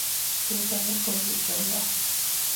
估計一個月左右